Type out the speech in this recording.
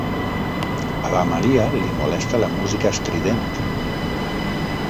A la Maria li molesta la música estrident.